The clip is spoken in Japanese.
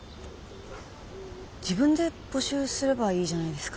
自分で募集すればいいじゃないですか。